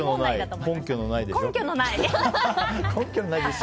根拠のないでしょ？